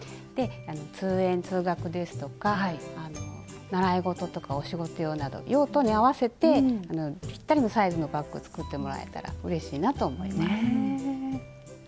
通園・通学ですとか習い事とかお仕事用など用途に合わせてぴったりのサイズのバッグを作ってもらえたらうれしいなと思います。